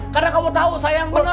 karena kamu tau sayang bener